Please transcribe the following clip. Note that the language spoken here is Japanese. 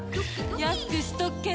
安くしとくけど！